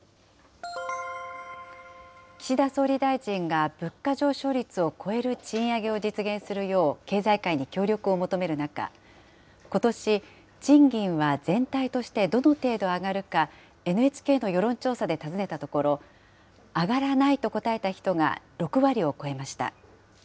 岸田総理大臣が物価上昇率を超える賃上げを実現するよう、経済界に協力を求める中、ことし、賃金は全体としてどの程度上がるか、ＮＨＫの世論調査で尋ねたところ、上がらないと答えた人が６割を超えました。